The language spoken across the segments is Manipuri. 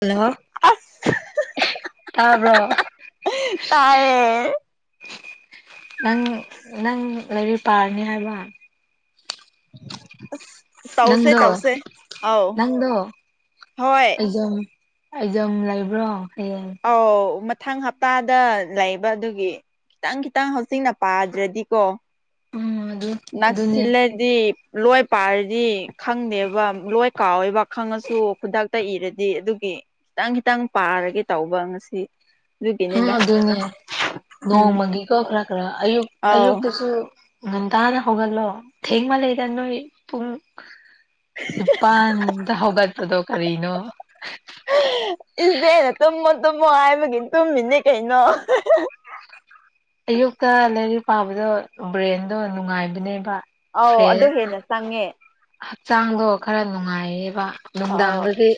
ꯍꯜꯂꯣ ꯑꯁ ꯇꯥꯕ꯭ꯔꯣ ꯇꯥꯏꯌꯦ ꯅꯪ ꯅꯪ ꯂꯩꯔꯤ ꯄꯥꯔꯅꯤ ꯍꯥꯏꯕ ꯇꯧꯁꯦ ꯅꯪꯗꯣ ꯇꯧꯁꯦ ꯑꯧ ꯅꯪꯗꯣ ꯍꯣꯏ ꯑꯩꯖꯝ ꯑꯩꯖꯝ ꯂꯩꯕ꯭ꯔꯣ ꯍꯌꯦꯡ ꯑꯧ ꯃꯊꯪ ꯍꯞꯇꯥꯗ ꯂꯩꯕ ꯑꯗꯨꯒꯤ ꯈꯤꯇꯪ ꯈꯤꯇꯪ ꯍꯧꯖꯤꯛꯅ ꯄꯥꯗ꯭ꯔꯗꯤꯀꯣ ꯎꯝ ꯑꯗꯨ ꯑꯗꯨꯅꯦ ꯅꯛꯁꯤꯜꯂꯗꯤ ꯂꯣꯏ ꯄꯥꯔꯗꯤ ꯈꯪꯗꯦꯕ ꯂꯣꯏ ꯀꯥꯎꯋꯦꯕ ꯈꯪꯉꯁꯨ ꯈꯨꯗꯥꯛꯇ ꯏꯔꯗꯤ ꯑꯗꯨꯒꯤ ꯈꯤꯇꯪ ꯈꯤꯇꯪ ꯄꯥꯔꯒꯦ ꯇꯧꯕ ꯉꯁꯤ ꯎ ꯑꯗꯨꯒꯤꯅꯤꯗ ꯑꯗꯨꯅꯦ ꯎꯝ ꯅꯣꯡꯃꯒꯤꯀꯣ ꯈꯔ ꯈꯔ ꯑꯌꯨꯛ ꯑꯧ ꯑꯌꯨꯛꯇꯁꯨ ꯉꯟꯇꯥꯅ ꯍꯧꯒꯠꯂꯣ ꯊꯦꯡꯃ ꯂꯩꯗ ꯅꯣꯏ ꯄꯨꯡ ꯅꯨꯄꯥꯟꯗ ꯍꯧꯒꯠꯄꯗꯣ ꯀꯔꯤꯅꯣ ꯏꯆꯦꯅ ꯇꯨꯝꯃꯣ ꯇꯨꯝꯃꯣ ꯍꯥꯏꯕꯒꯤ ꯇꯨꯝꯃꯤꯅꯦ ꯀꯩꯅꯣ ꯑꯌꯨꯛꯇ ꯂꯥꯏꯔꯤꯛ ꯄꯥꯕꯗꯣ ꯕ꯭ꯔꯦꯟꯗꯣ ꯅꯨꯡꯉꯥꯏꯕꯅꯦꯕ ꯑꯧ ꯐ꯭ꯔꯦꯁ ꯑꯗꯨ ꯍꯦꯟꯅ ꯆꯪꯉꯦ ꯍꯛꯆꯥꯡꯗꯣ ꯈꯔ ꯅꯨꯡꯉꯥꯏꯌꯦꯕ ꯅꯨꯡꯗꯥꯡꯗꯗꯤ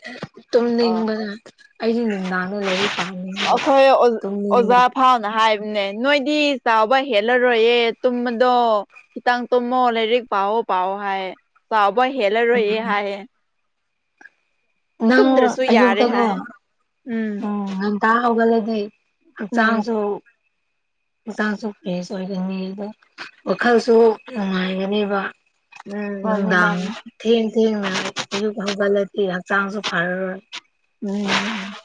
ꯇꯨꯝꯅꯤꯡꯕꯗ ꯑꯩꯗꯤ ꯅꯨꯡꯗꯥꯡꯗ ꯂꯩꯔꯤ ꯄꯥꯝꯅꯤꯡꯗꯦ ꯇꯨꯝꯅꯤꯡꯕ ꯍꯥꯎꯅ ꯍꯥꯏ ꯎꯅꯦ ꯅꯣꯏꯗꯤ ꯆꯥꯎꯕ ꯍꯦꯜꯂꯔꯣꯏꯌꯦ ꯇꯨꯝꯕꯗꯣ ꯈꯤꯇꯥꯡ ꯇꯨꯝꯃꯣ ꯂꯥꯏꯔꯤꯛ ꯄꯥꯑꯣ ꯄꯥꯑꯣ ꯍꯥꯏꯌꯦ ꯆꯥꯎꯕ ꯍꯦꯜꯂꯔꯣꯏꯍꯦ ꯎꯝ ꯍꯥꯏꯑꯦ ꯅꯪ ꯇꯨꯝꯗ꯭ꯔꯁꯨ ꯌꯥꯔꯦ ꯑꯌꯨꯛꯇꯀꯣ ꯍꯥꯏ ꯎꯝ ꯅꯪ ꯇꯥ ꯍꯧꯒꯂꯗꯤ ꯎꯝ ꯍꯥꯛꯆꯥꯡꯁꯨ ꯍꯛꯆꯥꯡꯁꯨ ꯐ꯭ꯔꯦꯁ ꯑꯣꯏꯒꯅꯤꯕꯥ ꯋꯥꯈꯜꯁꯨ ꯅꯨꯡꯉꯥꯏꯒꯅꯦꯕ ꯎꯝ ꯃꯥꯅꯤ ꯅꯨꯡꯗꯥꯡ ꯃꯥꯅꯤ ꯊꯦꯡ ꯊꯦꯡꯅ ꯑꯌꯨꯛ ꯍꯧꯒꯠꯂꯗꯤ ꯍꯛꯆꯥꯡꯁꯨ ꯐꯔꯔꯣꯏ ꯎꯝ ꯎꯝ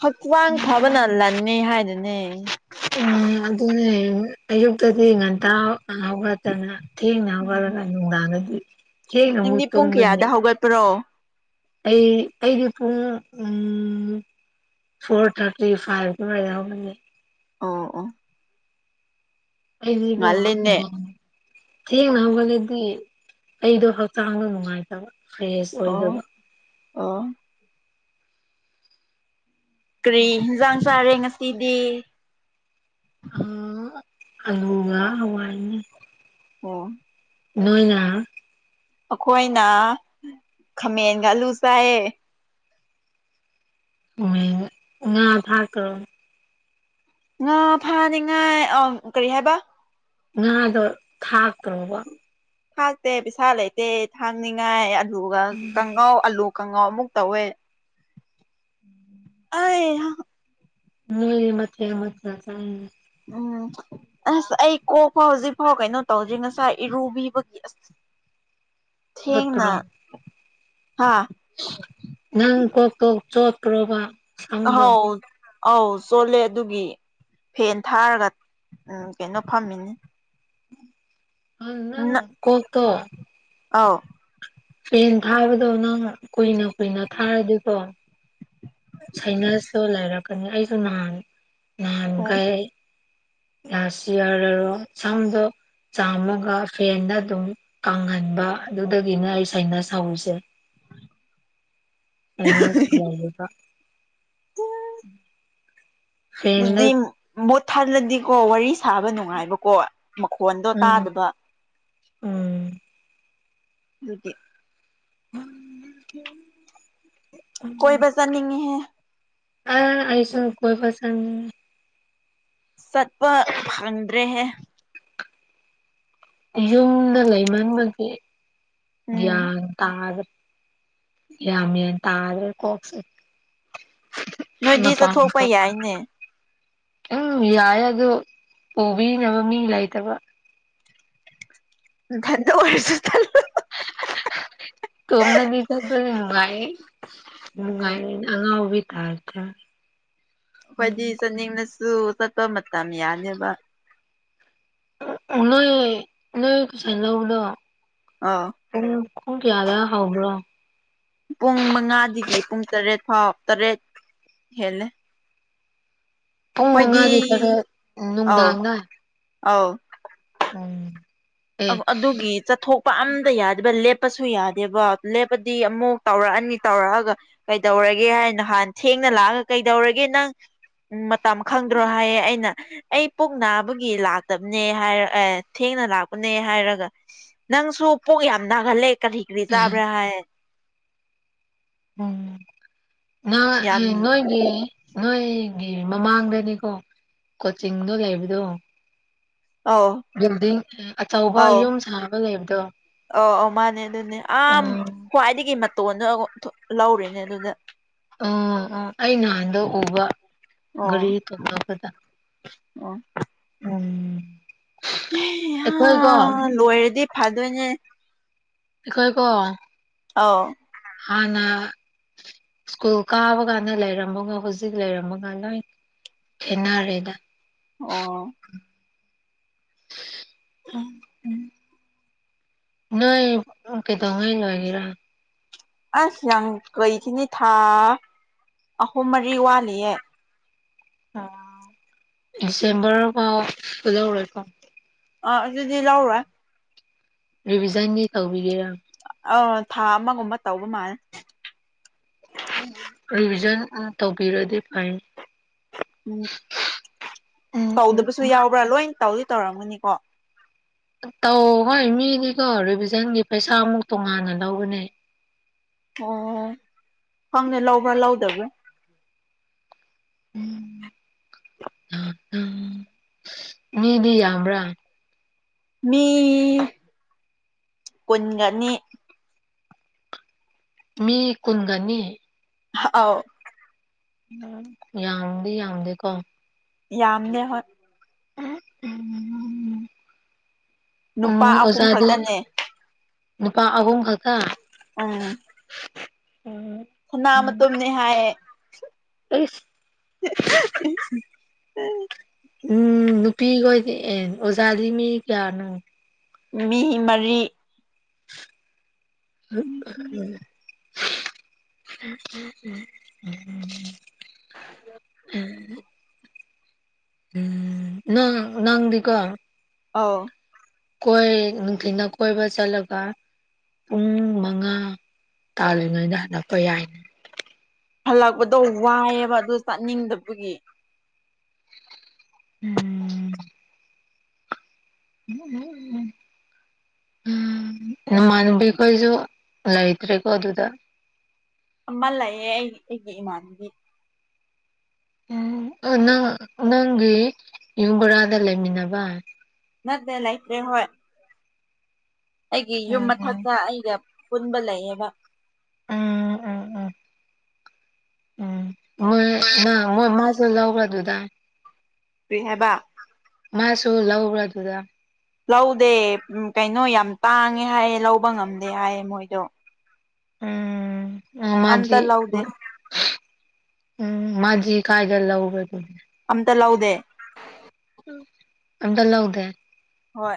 ꯍꯛꯆꯥꯡ ꯐꯕꯅ ꯂꯟꯅꯤ ꯍꯥꯏꯗꯨꯅꯦ ꯎꯝ ꯑꯗꯨꯅꯦꯌꯨꯡ ꯑꯌꯨꯛꯇꯗꯤ ꯉꯟꯇꯥ ꯍ ꯍꯧꯒꯠꯇꯅ ꯊꯦꯡꯅ ꯎꯝ ꯍꯧꯒꯠꯂꯒ ꯅꯨꯡꯗꯥꯡꯗꯗꯤ ꯊꯦꯡꯅ ꯑꯃꯨꯛ ꯅꯪꯗꯤ ꯄꯨꯡ ꯇꯨꯝꯒꯅꯤ ꯀꯌꯥꯗ ꯍꯧꯒꯠꯄ꯭ꯔꯣ ꯑꯩ ꯑꯩꯗꯤ ꯄꯨꯡ ꯎꯝ ꯐꯣꯔ ꯊꯥꯔꯇꯤ ꯐꯥꯏꯚ ꯗꯨꯋꯥꯏꯗ ꯍꯧꯒꯠꯂ‌ꯦ ꯑꯣ ꯑꯣ ꯑꯩꯗꯤꯀ‌ꯣ ꯉꯜꯂꯦꯅꯦ [unintelligible] ꯊꯦꯡꯅ ꯍꯧꯒꯂꯗꯤ ꯑꯩꯗꯣ ꯍꯛꯆꯥꯡꯗ‌ꯣ ꯅꯨꯡꯉꯥꯏꯇꯕ ꯐ꯭ꯔꯦꯁ ꯑꯣ ꯑꯣꯏꯗꯕ ꯑꯣ ꯀꯔꯤ ꯍ‌ꯦꯟꯖꯥꯡ ꯆꯥꯔꯦ ꯉꯁꯤꯗꯤ ꯑꯥ ꯑꯂꯨꯒ ꯍꯋꯥꯏꯅꯤ ꯑꯣ ꯅꯣꯏꯅ ꯑꯩꯈꯣꯏꯅ ꯈꯥꯃꯦꯟꯒ ꯑꯂꯨ ꯆꯥꯏꯌꯦ [unintelligible] ꯉꯥ ꯊꯥꯛꯇ꯭ꯔ‌ꯣ ꯉꯥ ꯐꯅꯤꯉꯥꯏ ꯑ‌ꯣ ꯀꯔꯤ ꯍꯥꯏꯕ ꯉꯥꯗꯣ ꯊꯥꯛꯇ꯭ꯔꯣꯕ ꯊꯥꯛꯇꯦ ꯄꯩꯁꯥ ꯂꯩꯇꯦ ꯊꯥꯛꯅꯤꯡꯉꯥꯏ ꯑꯂꯨꯒ ꯀꯪꯉꯧ ꯑꯥꯂꯨ ꯀꯥꯡꯉꯧ ꯑꯃꯨꯛ ꯇꯧꯋꯦ ꯑꯩ ꯑꯥ ꯅ‌ꯣꯏꯗꯤ ꯃꯊ‌ꯦꯜ ꯃꯊ‌ꯦꯜ ꯆꯥꯏꯌ‌ꯦ ꯎꯝ ꯑꯁ ꯑꯩ ꯀꯣꯛ ꯐꯥꯎ ꯍꯧꯖꯤꯛꯐꯥꯎ ꯀꯩꯅꯣ ꯇꯧꯗ꯭ꯔꯤ ꯉꯁꯥꯏ ꯏꯔꯨꯕꯤꯕꯒꯤ ꯑꯁ [unintelligible] ꯊ‌ꯦꯡꯅ ꯍꯥꯥ ꯅꯪ ꯀ‌ꯣꯛ ꯇ‌ꯣ ꯆꯣꯠꯄ꯭ꯔꯣꯕꯥ ꯍꯥꯎ ꯑꯧ ꯆꯣꯠꯂꯦ ꯑꯗꯨꯒꯤ ꯐꯦꯟ ꯊꯥꯔꯒ ꯎꯝ ꯀꯩꯅꯣ ꯐꯝꯃꯤꯅꯤ ꯑ ꯅꯪ ꯀꯣꯛꯇꯣ ꯑꯥꯎ ꯐ‌ꯦꯟ ꯊꯥꯕꯗꯣ ꯅꯪ ꯀꯨꯏꯅ ꯀꯨꯏꯅ ꯊꯥꯔꯗꯤꯀꯣ ꯁꯥꯏꯅꯁꯇꯣ ꯂꯩꯔꯛꯀꯅꯤ ꯑꯩꯁꯨ ꯅꯍꯥꯟ ꯑꯣ ꯅꯍꯥꯟꯒꯩ ꯀ ꯂꯥꯁ ꯏꯌꯥꯔ ꯗꯔ‌ꯣ ꯁꯝꯗꯣ ꯆꯥꯝꯃꯒ ꯐꯦꯟꯗ ꯑꯗꯨꯝ ꯀꯪꯍꯟꯕ ꯑꯗꯨꯗꯒꯤꯅ ꯑꯩꯁ ꯁꯥꯏꯅꯁ ꯍꯧꯋꯤꯁ‌ꯦ ꯁꯥꯏꯅꯁ ꯂꯩꯌ‌ꯦꯕ ꯐꯦꯟꯗ ꯑꯗꯨꯗꯤ ꯃꯨꯠ ꯊꯠꯂꯗꯤꯀꯣ ꯋꯥꯔꯤ ꯁꯥꯕ ꯅꯨꯡꯉꯥꯏꯕꯀꯣ ꯃꯈꯣꯟꯗꯣ ꯎꯝ ꯇꯥꯗꯕ ꯎꯝ ꯗꯨꯒꯤ [unintelligible] ꯀꯣꯏ ꯆꯠꯅꯤꯡꯉ‌ꯦꯍ‌ꯦ ꯑ ꯑꯩꯁꯨ ꯀꯣꯏꯕ ꯆꯪꯅꯤꯡ ꯆꯠꯄ ꯐꯪꯗ꯭ꯔꯦꯍꯦ ꯌꯨꯝꯗ ꯂꯩꯃꯟꯕꯒꯤ ꯎꯝ ꯒ꯭ꯌꯥꯟ ꯇꯥꯗ꯭ꯔ ꯒ꯭ꯌꯥ ꯃ‌ꯦꯟ ꯇꯥꯗ꯭ꯔꯦ ꯀꯣꯛꯁꯦ ꯅꯣꯏꯗꯤ ꯆꯠꯊꯣꯛꯄ ꯌꯥꯏꯅꯦ [unintelligible] ꯎꯝ ꯌꯥꯏ ꯑꯗꯣ ꯄꯨꯕꯤꯅꯕ ꯃꯤ ꯂꯩꯇꯕ ꯅꯥꯊꯟꯗ ꯑꯣꯏꯔꯁꯨ ꯇꯜ ꯇꯣꯝꯅꯒꯤ ꯆꯠꯄꯅ ꯅꯨꯡꯉꯥꯏ ꯎꯝ ꯅꯨꯡꯉꯥꯏꯔ‌ꯦ ꯑꯉꯥꯎꯕꯤ ꯇꯥꯗ ꯑꯩꯏꯗꯤ ꯆꯠꯅꯤꯡꯅꯁꯨ ꯆꯠꯄ ꯃꯇꯝ ꯌꯥꯅꯦꯕ ꯅꯣꯏ ꯅꯣꯏ ꯄꯩꯁꯥ ꯂꯧꯕꯗꯣ ꯑꯥ ꯎ ꯈꯣꯡ ꯀꯥꯌꯥꯗ ꯍꯥꯎꯕ꯭ꯔꯣ ꯄꯨꯡ ꯃꯉꯥꯗꯒꯤ ꯄꯨꯡ ꯇꯔꯦꯠ ꯐꯥꯎ ꯇꯔꯦꯠ ꯍꯦꯜꯂꯦ ꯄꯨꯡ ꯑꯩꯈꯣꯏꯗꯤ ꯃꯉꯥꯗꯤ ꯇꯔꯦꯠ ꯅꯨꯡꯗꯥꯡꯗ ꯑꯥꯎ ꯎꯝ ꯑꯦ ꯑꯕ ꯑꯗꯨꯒꯤ ꯆꯠꯊꯣꯛꯄ ꯑꯝꯇ ꯌꯥꯗꯦꯕ ꯂꯦꯞꯄꯁꯨ ꯌꯥꯗꯦꯕ ꯂꯦꯞꯄꯗꯤ ꯑꯃꯨꯛ ꯇꯧꯔꯛꯑꯅꯤ ꯇꯧꯔꯛꯑꯒ ꯀꯩꯗꯧꯔꯒꯦ ꯍꯥꯏꯅ ꯍꯥꯟ ꯊꯦꯡꯅ ꯂꯥꯛꯑꯒ ꯀꯩꯗꯧꯔꯒꯦ ꯅꯪ ꯎꯝ ꯃꯇꯝ ꯈꯪꯗ꯭ꯔꯣ ꯍꯥꯏꯌꯦ ꯑꯩꯅ ꯑꯩ ꯄꯨꯡ ꯅꯥꯕꯒꯤ ꯂꯥꯛꯇꯕꯅꯦ ꯍꯥꯏꯔ ꯑꯦ ꯊꯦꯡꯅ ꯂꯥꯛ ꯄꯅꯦ ꯍꯥꯏꯔꯒ ꯅꯪꯁꯨ ꯄꯣꯛ ꯌꯥꯝ ꯅꯥꯒꯜꯂꯦ ꯀꯔꯤ ꯀꯔꯤ ꯆꯥꯕ꯭ꯔꯥ ꯍꯥꯏ ꯎꯝ ꯅ ꯌꯥꯝ ꯅꯣꯏꯗꯤ ꯅꯣꯏꯒꯤ ꯃꯃꯥꯡꯗꯅꯤꯀꯣ ꯀꯣꯆꯤꯡꯗꯣ ꯂꯩꯕꯗꯣ ꯑꯧ ꯕꯤꯜꯗꯤꯡ ꯑꯆꯧꯕ ꯌꯨꯝ ꯁꯥꯕ ꯂꯩꯕꯗꯣ ꯑ ꯑꯧ ꯃꯥꯅꯦ ꯑꯗꯨꯅꯦ ꯑ ꯎꯝ ꯈ꯭ꯋꯥꯏꯗꯒꯤ ꯃꯇꯣꯟꯗ ꯂꯧꯔꯤꯅꯦ ꯑꯗꯨꯗ ꯑꯣ ꯑꯣ ꯑꯩ ꯅꯍꯥꯟꯗ ꯎꯕ ꯑꯣ ꯒꯥꯔꯤ ꯀꯪꯉꯥꯕꯗꯥ ꯑꯣ ꯎꯝ ꯑꯩꯈꯣꯏꯀꯣ ꯍꯩꯍꯥ ꯂꯣꯏꯔꯗꯤ ꯐꯗꯣꯏꯅꯦ ꯑꯩꯈꯣꯏ ꯀꯣ ꯑꯥꯎ ꯍꯟꯅ ꯁ꯭ꯀꯨꯜ ꯀꯥꯕ ꯀꯥꯟꯗ ꯂꯩꯔꯝꯃꯒ ꯍꯧꯖꯤꯛ ꯂꯩꯔꯝꯃꯒ ꯅꯣꯏ ꯊꯦꯅꯔꯔꯦꯗ ꯑꯣ ꯑꯣ ꯎꯝ ꯅꯣꯏ ꯀꯩꯗꯧꯉꯩ ꯂꯣꯏꯒꯦꯔꯥ ꯑꯁ ꯌꯥꯝ ꯂꯩꯈꯤꯅꯤ ꯊꯥ ꯑꯍꯨꯝ ꯃꯔꯤ ꯋꯥꯠꯂꯤꯌꯦ ꯑꯥ ꯗꯤꯁꯦꯝꯕꯔꯥꯎ ꯂꯧꯔꯣꯏꯀꯣ ꯑꯥ ꯑꯗꯨꯗꯤ ꯂꯧꯔꯣꯏ ꯔꯤꯚꯤꯖꯟꯒꯤ ꯇꯧꯕꯤꯒꯦꯔꯥ ꯑꯧ ꯊꯥ ꯑꯃꯒꯨꯝꯕ ꯇꯧꯕ ꯃꯥꯟ ꯔꯤꯚꯤꯖꯟ ꯑꯃꯨꯛ ꯇꯧꯕꯤꯔꯗꯤ ꯐꯩ ꯎꯝ [inaudible] ꯎꯝ ꯁꯨ ꯌꯥꯎꯕ꯭ꯔꯥ ꯂꯣꯏꯟ ꯇꯧꯗꯤ ꯇꯧꯔꯝꯒꯅꯤꯀꯣ ꯇꯧ ꯍꯣꯏ ꯃꯤꯅꯤꯀꯣ ꯔꯤꯚꯤꯖꯟꯒꯤ ꯄꯩꯁꯥꯃꯨꯛ ꯇꯣꯉꯥꯟꯅ ꯂꯧꯒꯅꯦ ꯑꯣ ꯈꯪꯗꯦ ꯂꯧꯕ꯭ꯔꯥ ꯂꯧꯗꯕ꯭ꯔꯥ [unintelligible] ꯃꯤꯗꯤ ꯌꯥꯝꯕ꯭ꯔꯥ ꯃꯤ ꯀꯨꯟꯒꯅꯤ ꯃꯤ ꯀꯨꯟꯒꯅꯤ ꯍꯥ ꯑꯥꯎ ꯎ ꯌꯥꯝꯗꯤ ꯌꯥꯝꯗꯦꯀꯣ ꯌꯥꯝꯅꯦ ꯍꯣꯏ ꯎꯝ ꯅꯨꯄꯥ ꯎꯝ ꯑꯍꯨꯝ ꯑꯣꯖꯥꯗꯤ ꯈꯛꯇꯅꯦ ꯅꯨꯄꯥ ꯑꯍꯨꯝ ꯈꯛꯇꯥ ꯎꯝ ꯑꯣ ꯈꯣꯝꯅꯥ ꯃꯇꯨꯝꯅꯦ ꯍꯥꯏꯌꯦ ꯑꯩꯁ [unintelligible] ꯎꯝ ꯅꯨꯄꯤꯈꯣꯏꯗꯤ ꯑꯦ ꯑꯣꯖꯥꯗꯤ ꯃꯤ ꯀꯌꯥꯅꯣ ꯃꯤ ꯃꯔꯤ ꯎꯝ ꯎꯝ ꯎꯝ ꯎꯝ ꯅꯪ ꯅꯪꯗꯤꯀꯣ ꯑꯥꯎ ꯀꯣꯏ ꯅꯨꯡꯊꯤꯜꯗ ꯀꯣꯏꯕ ꯆꯠꯂꯒ ꯄꯨꯡ ꯃꯉꯥ ꯇꯥꯜꯂꯤꯉꯩꯗ ꯍꯜꯂꯄ ꯌꯥꯏꯅ ꯍꯜꯂꯛꯄꯗꯣ ꯋꯥꯏꯑꯦꯕ ꯑꯗꯨ ꯆꯠꯅꯤꯡꯗꯕꯒꯤ ꯎꯝ [unintelligible] ꯎꯝ ꯅꯃꯥꯟꯅꯕꯤꯈꯣꯏꯁꯨ ꯂꯩꯇ꯭ꯔꯦꯀꯣ ꯑꯗꯨꯗ ꯑꯃ ꯂꯩꯌꯦ ꯑꯩ ꯑꯩꯒꯤ ꯏꯃꯥꯟꯒꯤ ꯎꯝ ꯑꯣ ꯅꯪ ꯅꯪꯒꯤ ꯌꯨꯝ ꯕꯣꯔꯥꯗ ꯂꯩꯃꯤꯟꯅꯕ ꯅꯠꯇꯦ ꯂꯩꯇ꯭ꯔꯦ ꯍꯣꯏ ꯑꯩꯒꯤ ꯌꯨꯝ ꯎꯝ ꯃꯊꯛꯇꯥ ꯑꯩꯒ ꯄꯨꯟꯕ ꯂꯩꯑꯕ ꯎꯝ ꯎꯝ ꯎꯝ ꯎꯝ ꯃꯣꯏ ꯃꯥ ꯃꯣꯏ ꯃꯥꯁꯨ ꯂꯧꯕ꯭ꯔꯥ ꯑꯗꯨꯗꯥ ꯀ꯭ꯔꯤ ꯍꯥꯏꯕ ꯃꯥꯁꯨ ꯂꯧꯕ꯭ꯔꯥ ꯑꯗꯨꯗ ꯂꯧꯗꯦ ꯎꯝ ꯀꯩꯅꯣ ꯌꯥꯝ ꯇꯥꯡꯉꯦ ꯍꯥꯏꯌꯦ ꯂꯧꯕ ꯉꯝꯗꯦ ꯍꯥꯏꯌꯦ ꯃꯣꯏꯗꯣ ꯎꯝ ꯎꯝ ꯑꯝꯇ ꯃꯗꯤ ꯂꯧꯗꯦ ꯎꯝ ꯃꯥꯗꯤ ꯀꯥꯏꯗ ꯂꯥꯎꯕ꯭ꯔꯥ ꯑꯗꯨꯗꯤ ꯑꯝꯇꯥ ꯂꯧꯗꯦ ꯑꯝꯗ ꯂꯧꯗꯦ ꯍꯣꯏ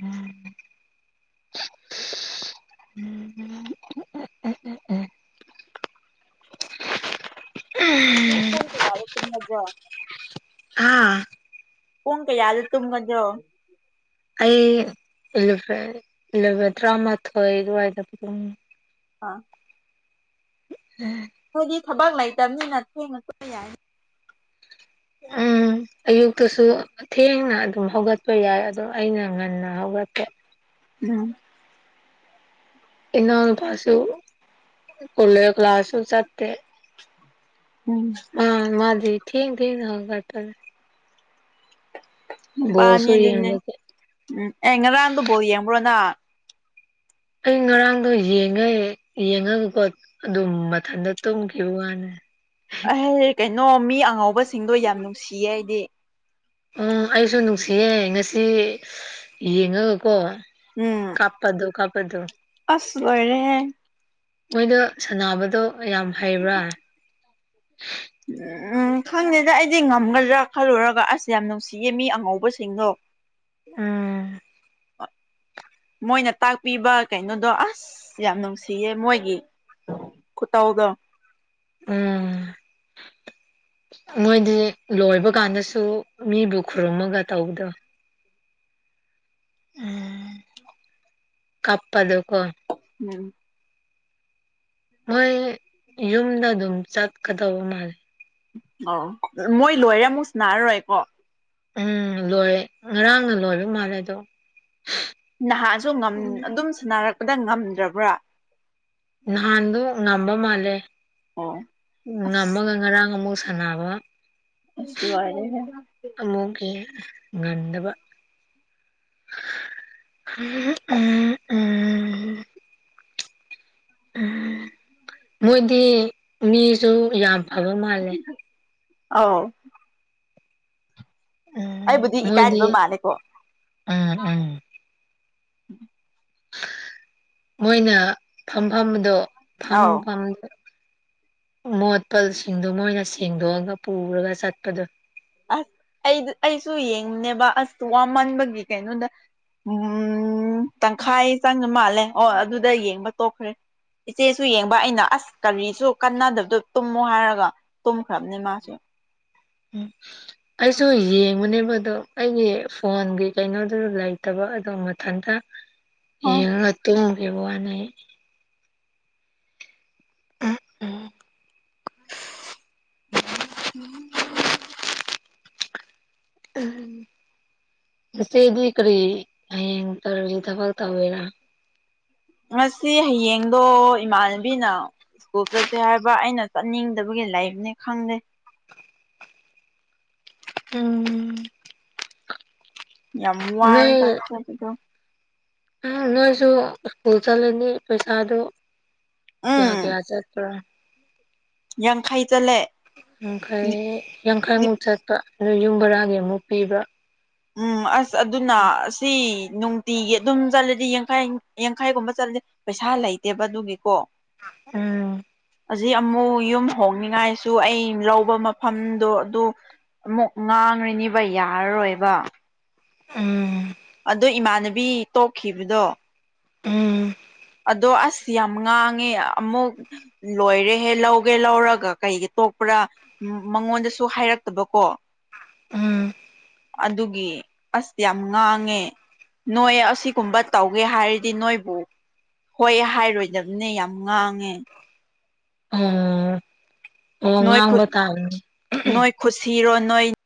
ꯎꯝ ꯎꯝ ꯎꯝ [unintelligible] ꯍꯥ ꯄꯨꯡ ꯀꯌꯥꯗ ꯇꯨꯝꯒꯗ꯭ꯔꯣ ꯑꯩ ꯏꯂꯥꯚꯦꯜ ꯏꯂꯥꯚꯦꯜ ꯇꯔꯥꯃꯥꯊꯣꯏ ꯑꯗꯨꯋꯥꯏꯗ ꯄꯨꯡ ꯑꯥ ꯎꯝ ꯈꯣꯏꯗꯤ ꯊꯕꯛ ꯂꯩꯇꯕꯅꯤꯅ ꯊꯦꯡꯅ ꯇꯨꯝꯕ ꯌꯥꯏꯅꯦ ꯎꯝ ꯑꯌꯨꯛꯇꯥꯁꯨ ꯊꯦꯡꯅ ꯑꯗꯨꯝ ꯍꯧꯒꯠꯄ ꯌꯥꯏ ꯑꯗꯣ ꯑꯩꯅ ꯉꯟꯅ ꯍꯧꯒꯠꯄꯥ ꯎꯝ ꯏꯅꯥꯎ ꯅꯨꯄꯥꯁꯨ ꯀꯣꯂꯦꯖ ꯀ꯭ꯂꯥꯁꯁꯨ ꯆꯠꯇꯦ ꯎꯝ ꯑ ꯃꯥꯗꯤ ꯊꯦꯡ ꯊꯦꯡꯅ ꯍꯧꯒꯠꯄꯅꯦ ꯅꯨꯄꯥꯅꯤ ꯕꯣꯜꯁꯨ ꯑꯗꯨꯅꯦ ꯌꯦꯡꯕꯒꯤ ꯎꯝ ꯑꯦ ꯉꯔꯥꯡꯗꯨ ꯕꯣꯜ ꯌꯦꯡꯕ꯭ꯔꯣ ꯅꯪ ꯑꯩ ꯉꯔꯥꯡꯗꯣ ꯌꯦꯡꯉꯦ ꯌꯦꯡꯉꯒꯀꯣ ꯑꯗꯨꯝ ꯃꯊꯟꯇ ꯇꯨꯝꯈꯤꯕ ꯋꯥꯅꯤ [unintelligible] ꯀꯩꯅꯣ ꯃꯤ ꯑꯉꯧꯕꯁꯤꯡꯗꯣ ꯌꯥꯝ ꯅꯨꯡꯁꯤꯌꯦ ꯍꯥꯏꯗꯤ ꯑꯥ ꯑꯩꯁꯨ ꯅꯨꯡꯁꯤꯌꯦ ꯉꯁꯤ ꯌꯦꯡꯉꯒꯀꯣ ꯎꯝ ꯀꯥꯞꯄꯗꯣ ꯀꯥꯞꯄꯗꯣ ꯑꯁ ꯂꯣꯏꯔꯦꯍꯦ ꯃꯣꯏꯗꯣ ꯁꯥꯟꯅꯕꯗꯣ ꯌꯥꯝ ꯍꯩꯕ꯭ꯔꯥ [unintelligible] ꯎꯝ ꯈꯪꯗꯦꯗ ꯑꯩꯗꯤ ꯉꯝꯒꯗ꯭ꯔꯥ ꯈꯜꯂꯨꯔꯒ ꯑꯁ ꯌꯥꯝ ꯅꯨꯡꯁꯤꯌꯦ ꯃꯤ ꯑꯉꯧꯕꯁꯤꯡꯗꯣ ꯎꯝ ꯃꯣꯏꯅ ꯇꯥꯛꯄꯤꯕ ꯀꯩꯅꯣꯗꯣ ꯑꯁ ꯌꯥꯝ ꯅꯨꯡꯁꯤꯌꯦ ꯃꯣꯏꯒꯤ ꯈꯨꯠꯇꯧꯗꯣ ꯎꯝ ꯃꯣꯏꯗꯤ ꯂꯣꯏꯕ ꯀꯥꯟꯗꯁꯨ ꯃꯤꯕꯨ ꯈꯨꯔꯨꯝꯃꯒ ꯇꯧꯕꯗꯣ ꯎꯝ ꯀꯞꯄꯗꯨꯀꯣ ꯎꯝ ꯃꯣꯏ ꯌꯨꯝꯗ ꯑꯗꯨꯝ ꯆꯠꯀꯗꯧꯕ ꯃꯥꯜꯂꯦ ꯑꯣ ꯃꯣꯏ ꯂꯣꯏꯔꯦ ꯑꯃꯨꯛ ꯁꯅꯥꯔꯔꯣꯏ ꯀꯣ ꯎꯝ ꯂꯣꯏꯔꯦ ꯉꯔꯥꯡꯅ ꯂꯣꯏꯕ ꯃꯥꯜꯂꯦ ꯑꯗꯣ ꯅꯍꯥꯟꯁꯨ ꯉꯝ ꯎꯝ ꯑꯗꯨꯝ ꯁꯥꯟꯅꯔꯛꯄꯗ ꯉꯝꯗ꯭ꯔꯕ꯭ꯔꯥ ꯅꯍꯥꯟꯗꯣ ꯉꯝꯕ ꯃꯥꯜꯂꯦ ꯑꯣ ꯑꯁ ꯉꯝꯃꯒ ꯉꯔꯥꯡ ꯑꯃꯨꯛ ꯁꯥꯟꯅꯕ ꯑꯁ ꯂꯣꯏꯔꯦꯍꯦ ꯑꯃꯨꯛꯀꯤ ꯉꯟꯗꯕ ꯎꯝ ꯎꯝ ꯎꯝ ꯃꯣꯏꯗꯤ ꯃꯤꯁꯨ ꯌꯥꯝ ꯐꯕ ꯃꯥꯜꯂꯦ ꯑꯥꯎ ꯎꯝ ꯑꯩꯕꯨꯗꯤ ꯃꯣꯏꯗꯤ ꯏꯀꯥꯏꯗꯕ ꯃꯥꯜꯂꯦꯀꯣ ꯎꯝ ꯎꯝ ꯃꯣꯏꯅ ꯐꯝꯐꯝꯗꯣ ꯐꯝ ꯑꯧ ꯐꯝ ꯃꯣꯠꯄꯁꯤꯡꯗꯨ ꯃꯣꯏꯅ ꯁꯦꯡꯗꯣꯛꯑꯒ ꯄꯨꯔꯒ ꯆꯠꯄꯗꯣ ꯑꯁ ꯑꯩ ꯑꯩꯁꯨ ꯌꯦꯡꯅꯦꯕ ꯑꯁ ꯋꯥꯃꯟꯥꯟꯕꯒꯤ ꯀꯩꯅꯣꯗ ꯎꯝ ꯇꯪꯈꯥꯏ ꯆꯪꯕ ꯃꯥꯜꯂꯦ ꯑꯣ ꯑꯗꯨꯗ ꯌꯦꯡꯕ ꯇꯣꯛꯈ꯭ꯔꯦ ꯏꯆꯦꯁꯨ ꯌꯦꯡꯕ ꯑꯩꯅ ꯑꯁ ꯀꯔꯤꯁꯨ ꯀꯟꯅꯗꯕꯗꯣ ꯇꯨꯝꯃꯣ ꯍꯥꯏꯔꯒ ꯇꯨꯝ ꯈ꯭ꯔꯝꯅꯤ ꯃꯥꯁꯨ ꯎꯝ ꯑꯩꯁꯨ ꯌꯦꯡꯕꯅꯦꯕꯗꯣ ꯑꯩꯒꯤ ꯐꯣꯟꯒꯤ ꯀꯩꯅꯣꯗꯨ ꯂꯩꯇꯕ ꯑꯗꯣ ꯃꯊꯟꯇ ꯑ ꯌꯦꯉꯒ ꯇꯨꯝꯒꯤꯕ ꯋꯥꯅꯦꯑꯩ ꯑꯩ [unintelligible] [unintelligible] ꯆꯦꯆꯦꯗꯤ ꯀꯔꯤ ꯍꯌꯦꯡ ꯇꯧꯔꯗꯤ ꯊꯕꯛ ꯇꯧꯋꯤꯔ ꯉꯁꯤ ꯍꯌꯦꯡꯗꯣ ꯏꯃꯥꯟꯅꯕꯤꯅ ꯒ꯭ꯔꯨꯞꯇꯁꯦ ꯍꯥꯏꯕ ꯑꯩꯅ ꯆꯠꯅꯤꯡꯗꯕꯒꯤ ꯂꯥꯏꯔꯤꯛꯅꯤ ꯈꯪꯗꯦ ꯎꯝ ꯌꯝ ꯋꯥꯏꯕ ꯆꯠꯄꯗꯨ ꯑꯥ ꯅꯣꯏꯁꯨ ꯁ꯭ꯀꯨꯜ ꯆꯠꯂꯅꯤ ꯄꯩꯁꯥꯗꯨ ꯀꯌꯥ ꯎꯝ ꯀꯌꯥ ꯆꯠꯄ꯭ꯔꯥ ꯌꯥꯡꯈꯩ ꯆꯠꯂꯦ ꯌꯥꯡꯈꯩ ꯌꯥꯡꯈꯩꯃꯨꯛ ꯆꯠꯄ ꯑꯗꯨ ꯌꯨꯝ ꯕꯔꯥꯒꯤ ꯑꯃꯨꯛ ꯄꯤꯕ꯭ꯔ ꯎꯝ ꯑꯁ ꯑꯗꯨꯅ ꯑꯁꯤ ꯅꯨꯡ ꯇꯤꯒꯤ ꯑꯗꯨꯝ ꯆꯠꯂꯗꯤ ꯌꯥꯡꯈꯩ ꯌꯥꯡꯈꯩꯒꯨꯝꯕ ꯆꯠꯂꯗꯤ ꯄꯩꯁꯥ ꯂꯩꯇꯦꯕ ꯑꯗꯨꯒꯤꯀꯣ ꯎꯝ ꯑꯖꯤꯛ ꯑꯃꯨꯛ ꯌꯨꯝ ꯍꯣꯡꯅꯤꯡꯉꯥꯏꯁꯨ ꯑꯩ ꯂꯧꯕ ꯃꯐꯝꯗꯣ ꯑꯗꯨ ꯑꯃꯨꯛ ꯉꯥꯡꯔꯅꯤꯕ ꯌꯥꯔꯔꯣꯏꯕ ꯎꯝ ꯑꯗꯣꯏ ꯏꯃꯥꯟꯅꯕꯤ ꯇꯣꯛꯈꯤꯕꯗꯣ ꯎꯝ ꯑꯗꯣ ꯑꯁ ꯌꯥꯝ ꯉꯥꯡꯉꯦ ꯑꯃꯨꯛ ꯂꯣꯏꯔꯦꯍꯦ ꯂꯧꯒꯦ ꯂꯧꯔꯒ ꯀꯩꯒꯤ ꯇꯣꯛꯄ꯭ꯔꯥ ꯃꯉꯣꯟꯗꯁꯨ ꯍꯥꯏꯔꯛꯇꯕꯀꯣ ꯎꯝ ꯑꯗꯨꯒꯤ ꯑꯁ ꯌꯥꯝ ꯉꯥꯡꯉꯦ ꯅꯣꯏ ꯑꯁꯤꯒꯨꯝꯕ ꯇꯧꯒꯦ ꯍꯥꯏꯔꯗꯤ ꯅꯣꯏꯕꯨ ꯍꯣꯏ ꯍꯥꯏꯔꯣꯏꯗꯕꯅꯦ ꯌꯥꯝ ꯉꯥꯡꯉꯦ ꯎꯝ ꯑꯣ ꯅꯣꯏ ꯉꯥꯡꯕ ꯈꯨꯠ ꯇꯥꯕꯅꯤ ꯅꯣꯏ ꯈꯨꯁꯤꯔꯣ ꯅꯣꯏ